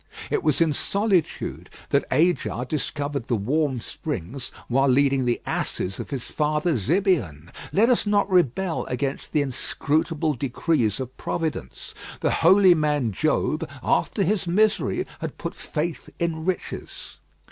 It was in solitude that Ajah discovered the warm springs while leading the asses of his father Zibeon. Let us not rebel against the inscrutable decrees of Providence. The holy man Job, after his misery, had put faith in riches.